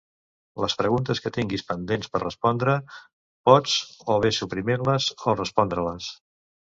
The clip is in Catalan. Les preguntes que tinguis pendents per respondre, pots, o bé suprimir-les, o respondre-les.